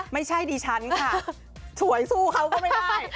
ไม่ใช่ดิฉันค่ะสวยสู้เขาก็ไม่ได้